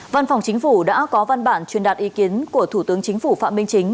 văn phòng chính phủ đã có văn bản truyền đạt ý kiến của thủ tướng chính phủ phạm minh chính